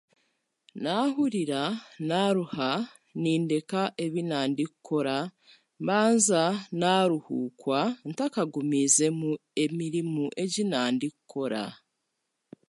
Naahuurira naaruha, nindeka ebi nandikukora mbaaza naahuurukwa ntakagumiizemu emirimo egi nandikukora